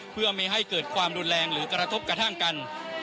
เพื่อไม่ให้เกิดความรุนแรงหรือกระทบกระทั่งกัน